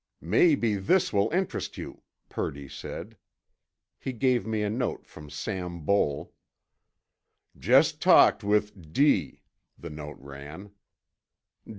"Maybe this will interest you," Purdy said. He gave me a note from Sam Boal: "Just talked with D——— ," the note ran.